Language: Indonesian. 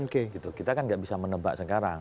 kita kan nggak bisa menebak sekarang